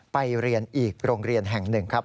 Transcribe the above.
ไปเรียนอีกโรงเรียนแห่งหนึ่งครับ